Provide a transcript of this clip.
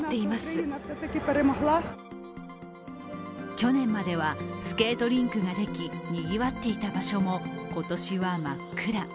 去年まではスケートリンクができにぎわっていた場所も今年は真っ暗。